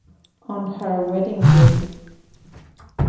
On Her Wedding Day